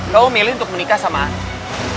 kau milih untuk menikah sama andi